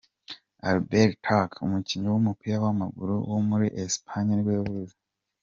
Albert Luque, umukinnyi w’umupira w’amaguru wo muri Espagne nibwo yavutse.